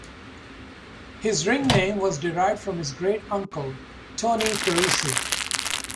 His ring name was derived from his great uncle Tony Parisi.